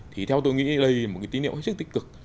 thì theo tôi nghĩ đây là một cái tín hiệu hết sức tích cực